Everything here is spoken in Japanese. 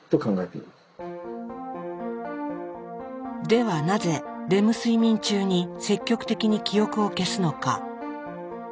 ではなぜレム睡眠中に積極的に記憶を消すのか。